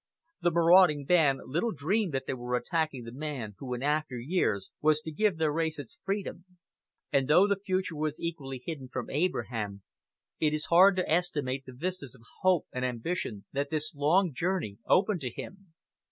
The marauding band little dreamed that they were attacking the man who in after years was to give their race its freedom; and though the future was equally hidden from Abraham, it is hard to estimate the vistas of hope and ambition that this long journey opened to him.